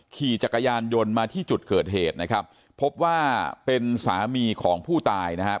ขี่จักรยานยนต์มาที่จุดเกิดเหตุนะครับพบว่าเป็นสามีของผู้ตายนะครับ